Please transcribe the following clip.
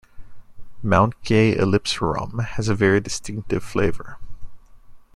Mount Gay Eclipse rum has a very distinctive flavour.